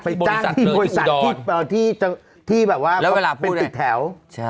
จ้างที่บริษัทที่แบบว่าเป็นตึกแถว